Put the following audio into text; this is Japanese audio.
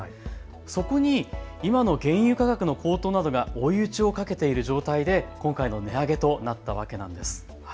そこに今の原油価格の高騰などが追い打ちをかけている状態で今回の値上げとなったわけなんです。